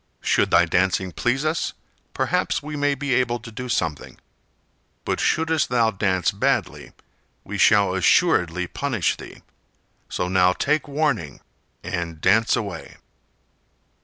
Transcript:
Should thy dancing please us, perhaps we may be able to do something; but shouldst thou dance badly we shall assuredly punish thee, so now take warning and dance away."